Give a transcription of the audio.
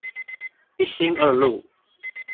一心二路